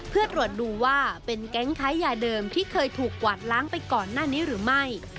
เพื่อตรวจดูว่าเป็นแก๊งค้ายาเดิมที่เคยถูกกวาดล้างไปก่อนหน้านี้หรือไม่